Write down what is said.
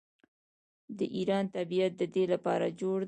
د ایران طبیعت د دې لپاره جوړ دی.